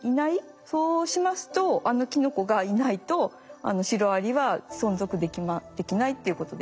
そうしますとあのキノコがいないとシロアリは存続できないっていうことでしょうね。